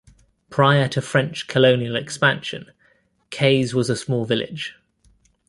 Prior to French colonial expansion, Kayes was a small village.